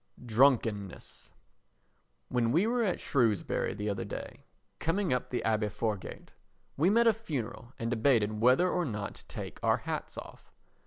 Drunkenness When we were at Shrewsbury the other day, coming up the Abbey Foregate, we met a funeral and debated whether or not to take our hats off.